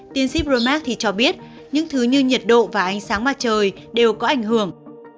tiến sĩ bromack cho biết những thứ như nhiệt độ và ánh sáng mặt trời đều có ảnh hưởng